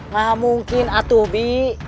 gak mungkin atuh bi